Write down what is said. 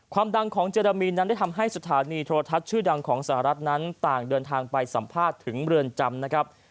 ดังของเจรมีนนั้นได้ทำให้สถานีโทรทัศน์ชื่อดังของสหรัฐนั้นต่างเดินทางไปสัมภาษณ์ถึงเรือนจำนะครับ